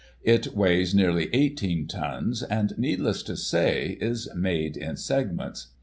It weighs nearly 18 tons, and, needless to say, is made in segments.